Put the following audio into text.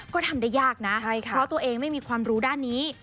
ก็ทำได้ยากนะเพราะตัวเองไม่มีความรู้ด้านนี้